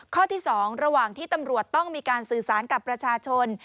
ข้อที่๒ระหว่างที่ตำรวจต้องมีการสื่อสารกับประชาชน